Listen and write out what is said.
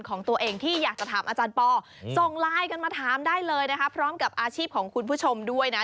ส่งไลน์กันมาถามได้เลยนะครับพร้อมกับอาชีพของคุณผู้ชมด้วยนะ